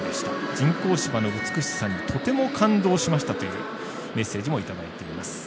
人工芝の美しさにとても感動しましたというメッセージもいただいています。